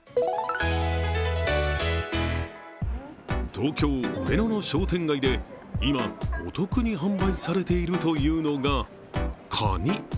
東京・上野の商店街で今、お得に販売されているというのがカニ。